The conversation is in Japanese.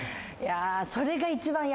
それが一番嫌。